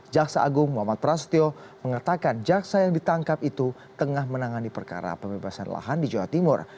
jaksa agung muhammad prasetyo mengatakan jaksa yang ditangkap itu tengah menangani perkara pembebasan lahan di jawa timur